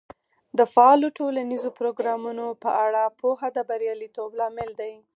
د فعالو ټولنیزو پروګرامونو په اړه پوهه د بریالیتوب لامل دی.